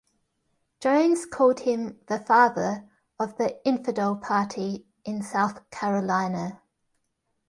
Jones called him "the Father" of the "infidel Party" in South Carolina.